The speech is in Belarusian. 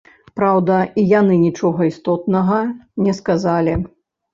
Праўда, і яны нічога істотнага не сказалі.